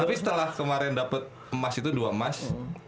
tapi setelah kemarin dapet emas itu dua emas